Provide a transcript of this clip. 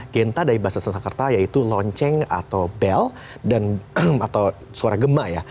genta dari bahasa sulsekkerta yaitu lonceng atau bel dan atau suara gemah ya